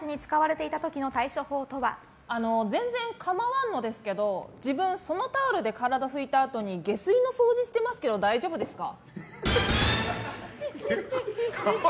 全然かまわんのですけど自分そのタオルで体拭いたあとに下水の掃除してますけど大丈夫ですか？